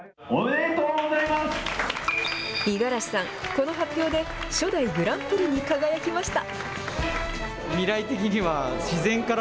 この発表で初代グランプリに輝きました。